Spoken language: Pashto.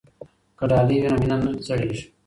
که ډالۍ وي نو مینه نه زړیږي.